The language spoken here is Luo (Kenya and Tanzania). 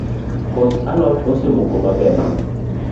Koth alot osemoko maber